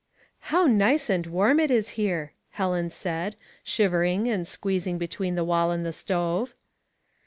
'' How nice and warm it is here," Helen said, shivering and squeezing between the wall and the stove.